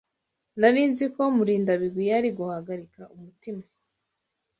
Nari nzi ko Murindabigwi yari guhagarika umutima.